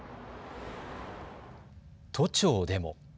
都庁でも。